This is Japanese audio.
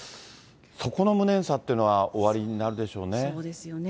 そこの無念さっていうのはおありそうですよね。